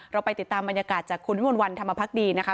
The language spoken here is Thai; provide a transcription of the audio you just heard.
เราไปติดตามบรรยากาศจากคุณวิมวลวันธรรมพักดีนะคะ